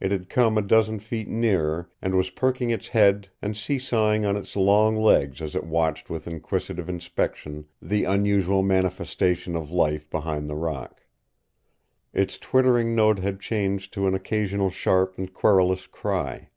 It had come a dozen feet nearer, and was perking its head and seesawing on its long legs as it watched with inquisitive inspection the unusual manifestation of life behind the rock. Its twittering note had changed to an occasional sharp and querulous cry.